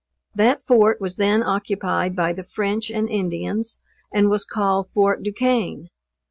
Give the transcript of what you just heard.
That fort was then occupied by the French and Indians, and was called Fort Du Quesne.